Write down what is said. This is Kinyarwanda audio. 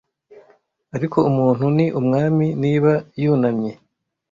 ariko umuntu ni umwami niba yunamye